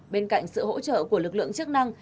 bên cạnh sự hỗ trợ của lực lượng chức năng